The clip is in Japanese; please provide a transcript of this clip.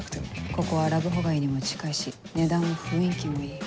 ここはラブホ街にも近いし値段も雰囲気もいい。